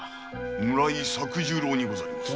村井作十郎にございまする。